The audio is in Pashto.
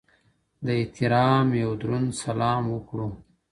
د احترام یو دروند سلام وکړو